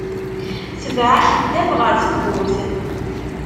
Tbeɛ akeddab ɣer tebburt.